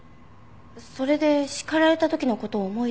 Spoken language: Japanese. それで叱られた時の事を思い出して。